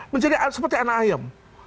menjadi seperti anak ayam